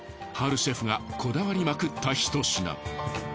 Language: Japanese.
ハルシェフがこだわりまくったひと品。